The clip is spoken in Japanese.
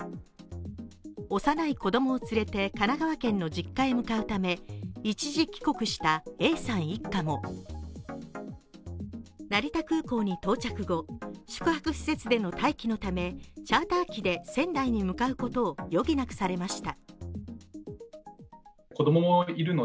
幼い子供を連れて、神奈川県の実家へ向かうため一時帰国したＡさん一家も成田空港に到着後、宿泊施設での待機のためチャーター機で仙台に向かうことを余儀なくされました。